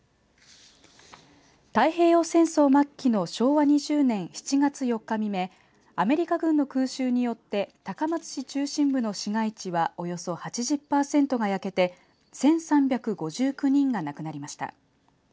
太平洋戦争末期の昭和２０年７月４日未明アメリカ軍の空襲によって高松市中心部の市街地はおよそ８０パーセントが焼けて１３５９人が亡くなりました。